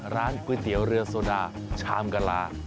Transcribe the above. ร้านก๋วยเตี๋ยวเรือโซดาชามกะลา